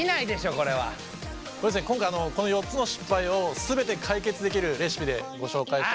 これですね今回この４つの失敗を全て解決できるレシピでご紹介したいと思います。